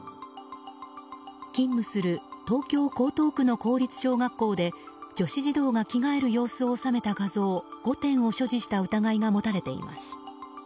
勤務する東京・江東区の公立小学校で女子児童が着替える様子を収めた画像５点を所持した疑いが持たれています。